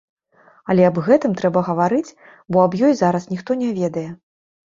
Але аб гэтым трэба гаварыць, бо аб ёй зараз ніхто не ведае.